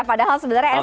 padahal sebenarnya ssc